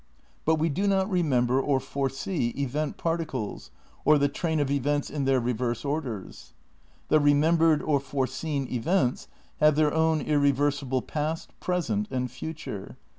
But we do not remember or foresee event particles or the train of events in their reverse orders. The remembered or foreseen events have their own irreversible past, present and future.